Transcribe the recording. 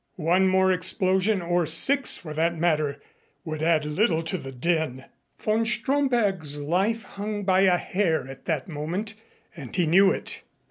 One more explosion or six, for that matter, would add little to the din. Von Stromberg's life hung by a hair at that moment and he knew it.